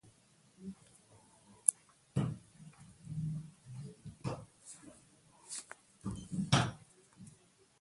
هو، دا همغه نستوه و…